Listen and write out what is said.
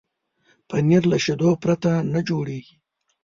پنېر له شيدو پرته نه جوړېږي.